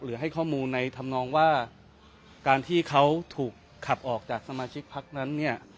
ให้ข้อมูลในธรรมนองว่าการที่เขาถูกขับออกจากสมาชิกพักนั้นเนี่ย